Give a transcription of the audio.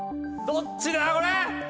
どっちだ